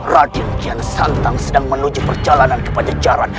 radin kian santang sedang menuju perjalanan kepada jarak